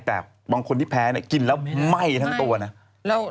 แต่บางคนที่แพ้เนี่ยกินแล้วไหม้ทั้งตัวนะ